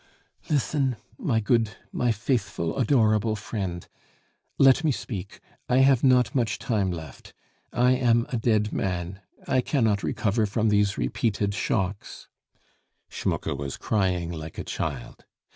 "Listen, my good, my faithful, adorable friend. Let me speak, I have not much time left. I am a dead man. I cannot recover from these repeated shocks." Schmucke was crying like a child.